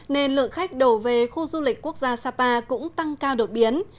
nên lượng khách đổ về khu du lịch quốc gia sapa cũng tăng cao đột biến